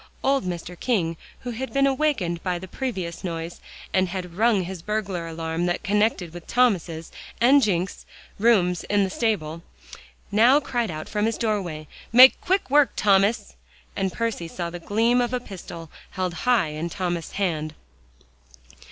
Old Mr. King who had been awakened by the previous noise, and had rung his burglar alarm that connected with Thomas's and Jencks's rooms in the stable, now cried out from his doorway. "Make quick work, Thomas," and Percy saw the gleam of a pistol held high in Thomas's hand.